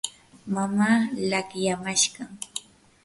mamaa laqyamashqam.